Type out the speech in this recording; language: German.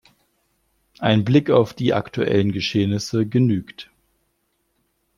Ein Blick auf die aktuellen Geschehnisse genügt.